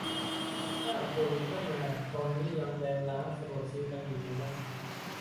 ถ้าโควิดไม่มา ตอนนี้ยังแบนร้านสะดวกซื้อกันอยู่ไหมนะ